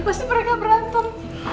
pasti mereka berantem